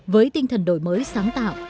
với tinh thần đổi mới sáng tạo